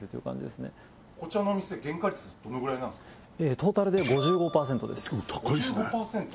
トータルで５５％です５５％？